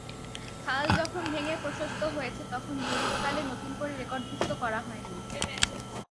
খাল যখন ভেঙে প্রশস্ত হয়েছে, তখন জরিপকালে নতুন করে রেকর্ডভুক্ত করা হয়নি।